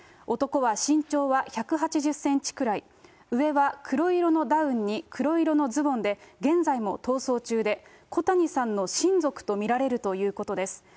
男は身長は１８０センチくらい、上は黒色のダウンに黒色のズボンで、現在も逃走中で、こたにさんの親族と見られるということです。